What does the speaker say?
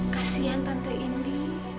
kasian tante indi